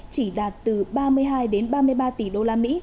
chỉ đạt từ ba mươi hai ba mươi ba tỷ usd